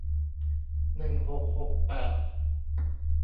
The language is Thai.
หนึ่งหกหกแปด